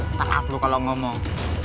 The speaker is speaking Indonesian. setengah dulu kalau ngomong